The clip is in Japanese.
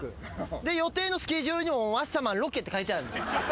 で予定のスケジュールにも「マッサマンロケ」って書いてあんねん。